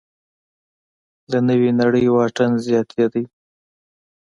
له نوې نړۍ واټن زیاتېدو